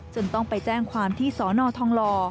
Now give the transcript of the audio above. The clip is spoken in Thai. จนต้องไปแจ้งความที่สอนอทองหล่อ